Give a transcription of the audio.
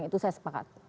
itu saya sepakat